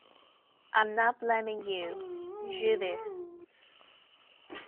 I'm not blaming you, Jeeves.